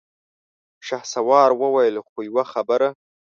شهسوار وويل: خو يوه خبره!